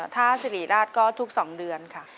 ถ้าสิริราชก็ทุก๒เดือนค่ะ